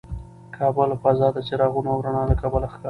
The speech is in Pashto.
کعبه له فضا د څراغونو او رڼا له کبله ښکاري.